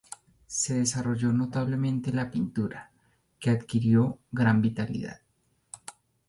Se desarrolló notablemente la pintura, que adquirió gran vitalidad.